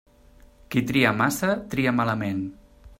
Qui tria massa, tria malament.